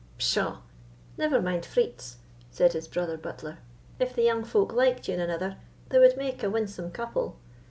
"Pshaw! never mind freits," said his brother butler; "if the young folk liked ane anither, they wad make a winsome couple.